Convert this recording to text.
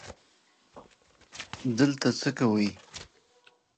ته دلته څه کوی